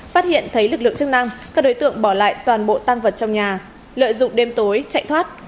phát hiện thấy lực lượng chức năng các đối tượng bỏ lại toàn bộ tăng vật trong nhà lợi dụng đêm tối chạy thoát